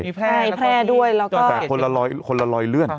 แต่คนละลอยเลื่อน